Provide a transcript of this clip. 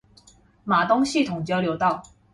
瑪東系統交流道